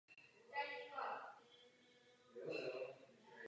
Působí jako trenér mládeže.